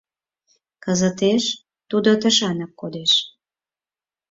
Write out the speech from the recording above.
— Кызытеш тудо тышанак кодеш.